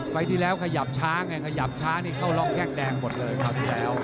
ที่แล้วขยับช้าไงขยับช้านี่เข้าล็อกแข้งแดงหมดเลยคราวที่แล้ว